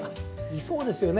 いそうですよね。